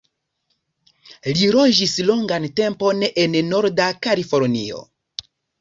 Li loĝis longan tempon en norda Kalifornio.